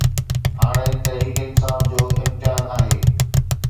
هاڻي تحريڪ انصاف جو امتحان آهي